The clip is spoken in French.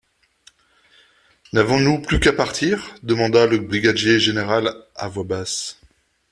N’avons-nous plus qu’à partir? demanda le brigadier général à voix basse.